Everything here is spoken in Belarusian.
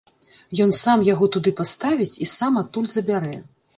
Ён сам яго туды паставіць і сам адтуль забярэ.